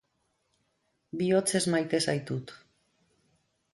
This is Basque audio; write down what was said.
Bihotzez maite zaitut.